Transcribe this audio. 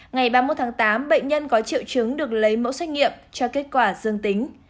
ngày ba mươi một tháng tám bệnh nhân có triệu chứng được lấy mẫu xét nghiệm cho kết quả dương tính